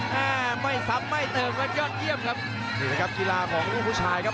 แม่ไม่ซ้ำไม่เติมครับยอดเยี่ยมครับนี่แหละครับกีฬาของลูกผู้ชายครับ